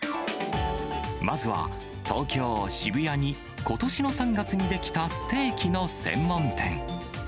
まずは、東京・渋谷にことしの３月に出来たステーキの専門店。